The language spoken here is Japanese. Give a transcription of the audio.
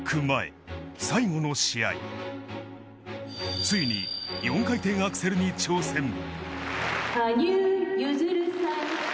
前最後の試合、ついに４回転アクセルに挑戦。